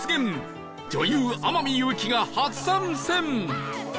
女優天海祐希が初参戦